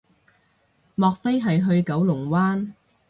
莫非係去九龍灣